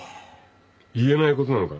言えないことなのか？